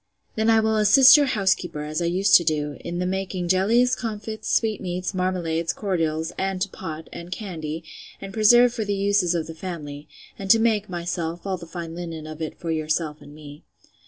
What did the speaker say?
Then I will assist your housekeeper, as I used to do, in the making jellies, comfits, sweetmeats, marmalades, cordials; and to pot, and candy, and preserve for the uses of the family; and to make, myself, all the fine linen of it for yourself and me.